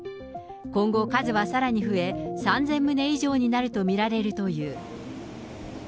今後、数はさらに増え、３０００棟以上になると見られるという。